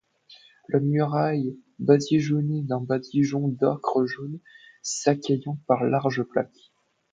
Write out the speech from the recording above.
La muraille, badigeonnée d’un badigeon d’ocre jaune, s’écaillait par larges plaques.